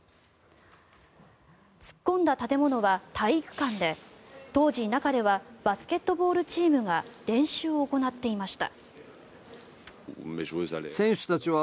突っ込んだ建物は体育館で当時、中ではバスケットボールチームが練習を行っていました。